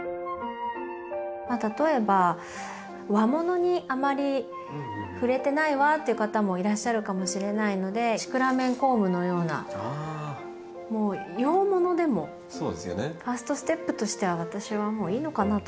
例えば「和物にあまり触れてないわ」っていう方もいらっしゃるかもしれないのでシクラメン・コウムのようなもう洋物でもファーストステップとしては私はいいのかなと。